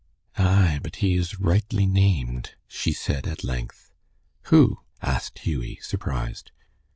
"Ay, but he is rightly named," she said, at length. "Who?" asked Hughie, surprised.